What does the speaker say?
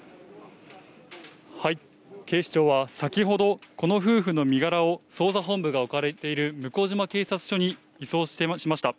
警視庁は先ほど、この夫婦の身柄を捜査本部が置かれている向島警察署に移送しました。